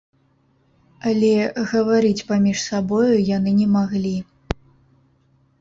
Але гаварыць паміж сабою яны не маглі.